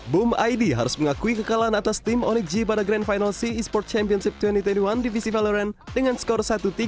boom id harus mengakui kekalahan atas tim onyx g pada grand final c esports championship dua ribu dua puluh satu divisi valorant dengan skor satu tiga